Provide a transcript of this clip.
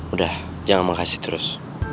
udah jangan makasih terus